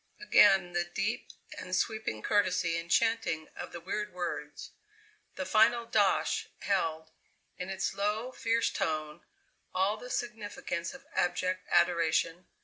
Again the deep and sweeping courtesy and chanting of the weird words. The final "dosh!" held, in its low, fierce tone, all the significance of abject adoration.